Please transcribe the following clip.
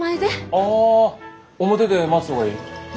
あ表で待ってた方がいい？